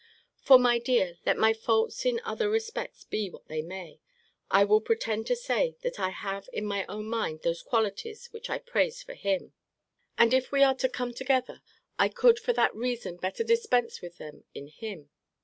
For, my dear, let my faults in other respects be what they may, I will pretend to say, that I have in my own mind those qualities which I praised him for. And if we are to come together, I could for that reason better dispense with them in him.